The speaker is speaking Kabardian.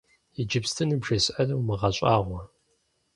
Иджыпсту ныбжесӀэнур умыгъэщӀагъуэ.